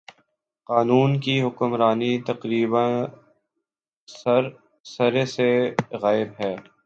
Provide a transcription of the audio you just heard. قانون کی حکمرانی تقریبا سر ے سے غائب ہے۔